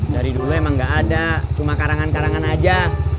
dari dulu emang gak ada cuma karangan karangan aja